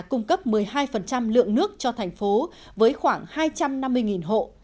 cung cấp một mươi hai lượng nước cho thành phố với khoảng hai trăm năm mươi hộ